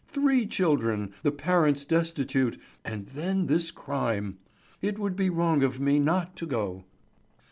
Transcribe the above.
Three children, the parents destitute, and then this crime! It would be wrong of me not to go."